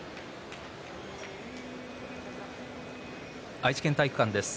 愛知県体育館です。